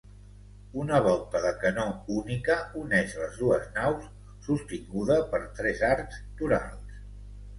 Una volta de canó única uneix les dues naus, sostinguda per tres arcs torals.